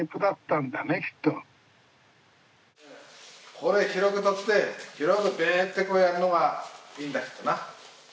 これ広くとって、広くべーってやるのがいいんだけどな。